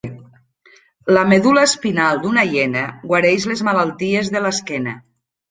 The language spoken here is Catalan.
La medul·la espinal d'una hiena guareix les malalties de l'esquena.